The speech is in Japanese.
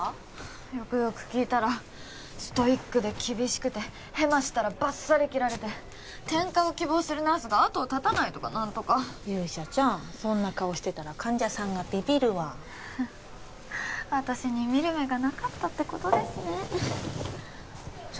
よくよく聞いたらストイックで厳しくてヘマしたらバッサリ切られて転科を希望するナースがあとを絶たないとか何とか勇者ちゃんそんな顔してたら患者さんがビビるわ私に見る目がなかったってことですねじゃ